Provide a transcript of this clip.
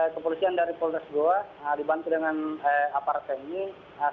kepolisian dari polres goa dibantu dengan aparat yang ini